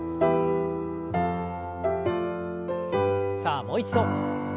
さあもう一度。